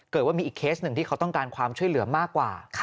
ว่ามีอีกเคสหนึ่งที่เขาต้องการความช่วยเหลือมากกว่า